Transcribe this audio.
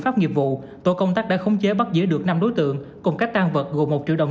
pháp nghiệp vụ tổ công tác đã khống chế bắt giữ được năm đối tượng cùng các tan vật gồm một triệu đồng